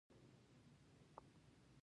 سوالګر د ژوند ښکلا نه لیدلې